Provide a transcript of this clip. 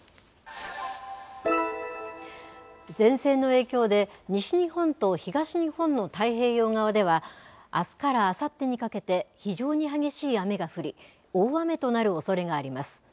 前線の影響で、西日本と東日本の太平洋側では、あすからあさってにかけて、非常に激しい雨が降り、大雨となるおそれがあります。